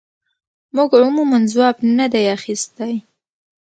موږ عموماً ځواب نه دی اخیستی.